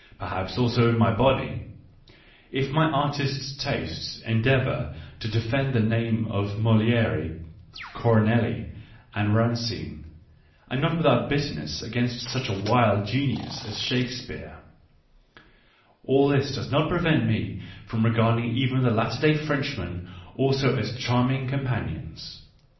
— perhaps also in my body ; if my artist's taste endeavours to defend the names of Moltere,^ Corneille, and Racine, and not without bitterness, against such a wild genius as Shakespeare — all this does not prevent me from regarding even the latter day Frenchmen also as charming companions.